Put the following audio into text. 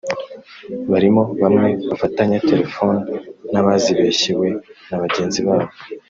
barimo bamwe bafatanye téléphones n’abazibeshyewe na bagenzi babo